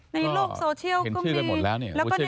ในโลกโซเชียลปูเชื่อกันหมดแล้ว